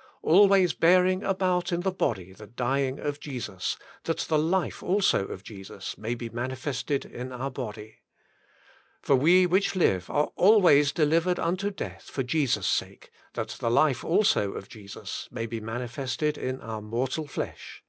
^^ Always bearing about in the body the dying of Jesus, that the life also of Jesus may be manifested in our body. For we which live are always delivered unto death for Jesus' sake, that the life also of Jesus may be manifested in our mortal flesh.